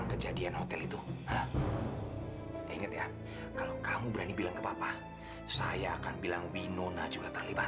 kalau kamu berani bilang ke papa saya akan bilang winona juga terlibat